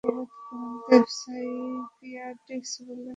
Psychiatrist বললেন, coffee খাবেন?